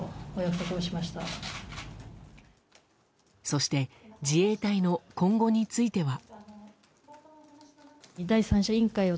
そして自衛隊の今後については。